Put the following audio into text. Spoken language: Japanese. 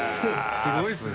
すごいですね！